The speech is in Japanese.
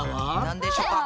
なんでしょうか？